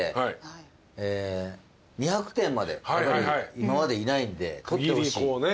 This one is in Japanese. ２００点まで今までいないんで取ってほしい。